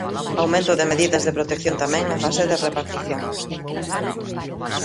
Aumento de medidas de protección tamén na fase de repartición.